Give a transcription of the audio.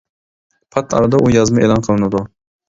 پات ئارىدا ئۇ يازما ئېلان قىلىنىدۇ.